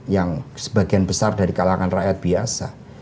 yang sebagian besar dari kalangan rakyat biasa